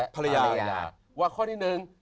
ภรรยาว่าข้อที่หนึ่ง